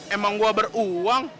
emang gua beruang